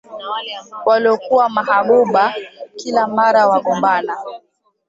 Walokuwa mahabuba, kila mara wagombana,